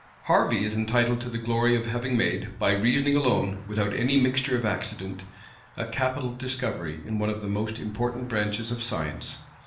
Harvey is entitled to the glory of having made, by reasoning alone, without any mixture of accident, a capital discovery in one of the most important branches of science.